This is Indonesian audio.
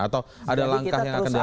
atau ada langkah yang akan dilakukan